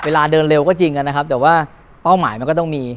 เวลาเดินเร็วก็จริงนะครับแต่ว่าเป้าหมายมันก็ต้องมี